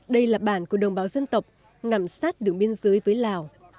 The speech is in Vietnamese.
đây là bản của đồng bào dân tộc nằm sát đường biên giới với lào